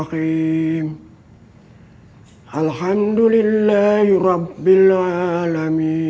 palingan hanya hari minggu aja